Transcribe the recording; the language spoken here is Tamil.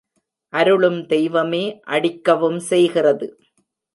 அருளும் தெய்வமே, அடிக்கவும் செய்கிறது.